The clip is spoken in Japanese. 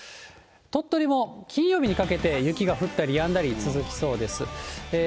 鳥取も金曜日にかけて雪が降ったりやんだり、続きそうです。